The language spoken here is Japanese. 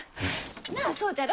なあそうじゃろ？